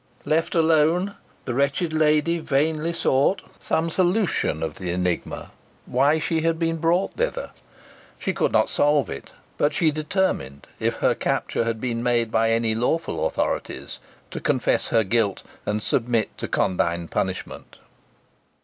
Left alone, the wretched lady vainly sought some solution of the enigma why she had been brought thither. She could not solve it; but she determined, if her capture had been made by any lawful authorities, to confess her guilt and submit to condign punishment.